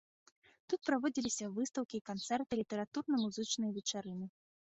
Тут праводзіліся выстаўкі, канцэрты, літаратурна-музычныя вечарыны.